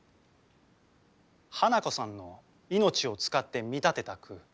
花子さんの命を使って見立てた句。